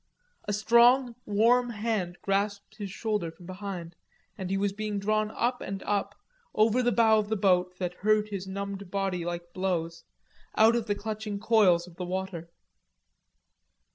A strong warm hand grasped his shoulder from behind, and he was being drawn up and up, over the bow of the boat that hurt his numbed body like blows, out of the clutching coils of the water.